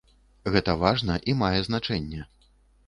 Гэта важна і мае значэнне.